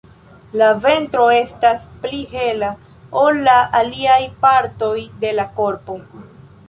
La ventro estas pli hela ol la aliaj partoj de la korpo.